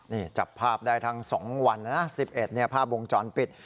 นี่จับภาพได้ทั้ง๒วันนะ๑๑ภาพวงจรปิด